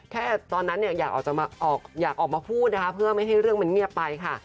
แค่ตอนนั้นอยากออกมาพูดเพื่อไม่ให้เรื่องมันเงียบไปค่ะ